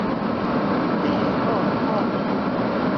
Ǩudeli, ho ho!